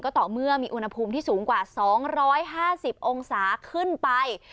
ต่อเมื่อมีอุณหภูมิที่สูงกว่า๒๕๐องศาขึ้นไป